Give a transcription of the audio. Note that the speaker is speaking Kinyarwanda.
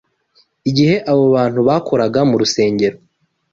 Igihe abo bantu bakoraga mu rusengero